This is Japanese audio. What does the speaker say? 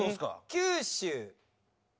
九州。